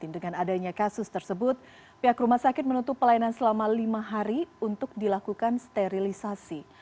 dengan adanya kasus tersebut pihak rumah sakit menutup pelayanan selama lima hari untuk dilakukan sterilisasi